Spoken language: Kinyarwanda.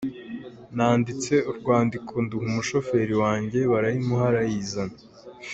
Nanditse urwandiko nduha umushoferi wanjye barayimuha arayizana.